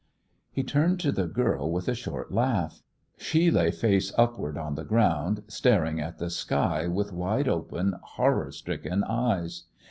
He turned to the girl with a short laugh. She lay face upward on the ground, staring at the sky with wide open, horror stricken eyes.